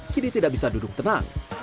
kini tidak bisa duduk tenang